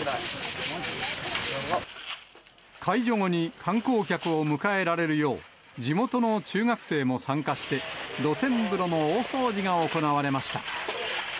解除後に観光客を迎えられるよう、地元の中学生も参加して、露天風呂の大掃除が行われました。